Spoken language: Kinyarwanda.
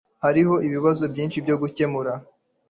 hariho ibibazo byinshi byo gukemura